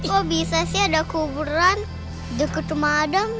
kok bisa sih ada kuburan deket rumah adem